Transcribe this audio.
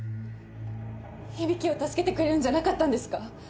響を助けてくれるんじゃなかったんですか？